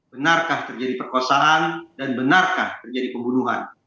benarkah terjadi perkosaan dan benarkah terjadi pembunuhan